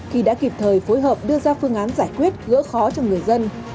khi đã kịp thời phối hợp đưa ra phương án giải quyết gỡ khó cho người dân